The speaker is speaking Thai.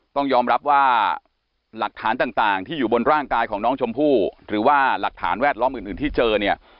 ต้องยอมรับว่าหลักฐานต่างที่อยู่บนร่างกายของน้องชมพู่หรือว่าหลักฐานแวดล้อมอื่นที่เจอเนี่ย